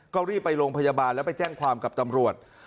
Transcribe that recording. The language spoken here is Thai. ก็รีบไปโรงพยาบาลแล้วไปแจ้งความกับตำรวจ